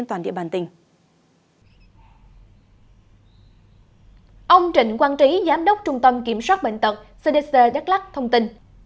ông trịnh quang trí giám đốc trung tâm kiểm soát bệnh tật cdc đắk lắc thông tin